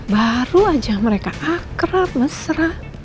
baru aja mereka akrab mesra